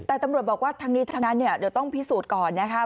แต่ตำรวจบอกว่าทั้งนี้ทั้งนั้นเนี่ยเดี๋ยวต้องพิสูจน์ก่อนนะคะ